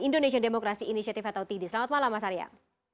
indonesia demokrasi initiative atau td selamat malam mas arya